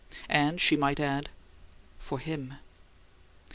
And she might add, "For him!"